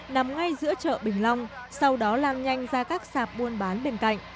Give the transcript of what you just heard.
nằm ngay giữa chợ bình long sau đó lan nhanh ra các sạp buôn bán bên cạnh